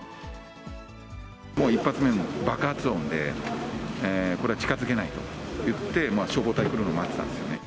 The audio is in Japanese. もう一発目の爆発音で、こりゃ近づけないと言って、消防隊が来るのを待ってたんです